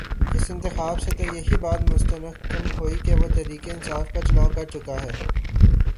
اس انتخاب سے تو یہی بات مستحکم ہوئی کہ وہ تحریک انصاف کا چناؤ کر چکا ہے۔